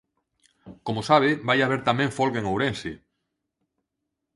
Como sabe, vai haber tamén folga en Ourense.